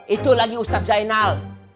itu lagi ustadz zainal